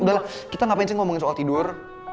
udah kita ngapain sih ngomongin soal tidur